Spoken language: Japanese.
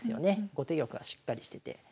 後手玉はしっかりしてて。